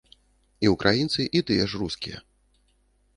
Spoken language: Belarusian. І ўкраінцы, і тыя ж рускія.